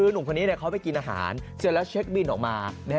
หนุ่มคนนี้เขาไปกินอาหารเสร็จแล้วเช็คบินออกมา